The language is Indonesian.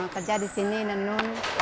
kerja di sini nenun